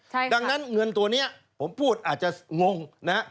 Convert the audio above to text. ใช่ค่ะดังนั้นเงินตัวนี้ผมพูดอาจจะงงนะ